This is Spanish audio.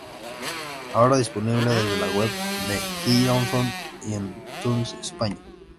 Ahora disponible desde la web de Hillsong y en iTunes España.